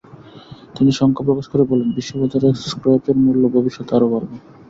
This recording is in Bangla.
তিনি শঙ্কা প্রকাশ করে বলেন, বিশ্ববাজারে স্ক্র্যাপের মূল্যে ভবিষ্যতে আরও বাড়বে।